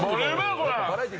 これ。